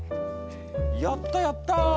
やったやった！